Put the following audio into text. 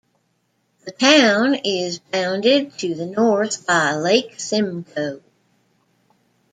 The town is bounded to the north by Lake Simcoe.